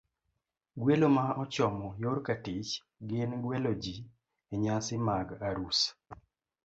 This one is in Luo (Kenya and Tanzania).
Gwelo ma ochomo yor katich gin gwelo ji e nyasi mag arus,